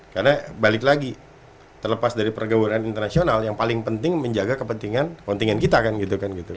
karena balik lagi terlepas dari pergabungan internasional yang paling penting menjaga kepentingan kontingen kita kan gitu kan gitu